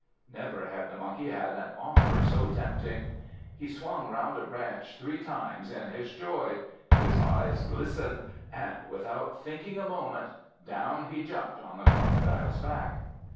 Never had the Monkey had an offer so tempting. He swung round a branch three times in his joy; his eyes glistened, and without thinking a moment, down he jumped on the Crocodile's back.